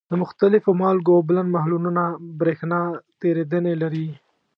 د مختلفو مالګو اوبلن محلولونه برېښنا تیریدنې لري.